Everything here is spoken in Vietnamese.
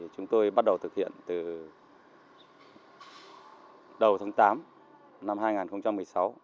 chúng tôi bắt đầu thực hiện từ đầu tháng tám năm hai nghìn một mươi sáu